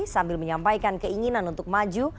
sambil menyampaikan keinginan untuk maju